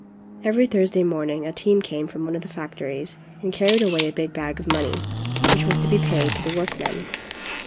Every Thursday morning a team came from one of the factories and car ried away a big bag of money, which was to be paid to the workmen.